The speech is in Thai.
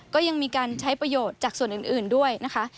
ก็ยังมีการใช้ประโยชน์จากส่วนอื่นด้วยนะคะ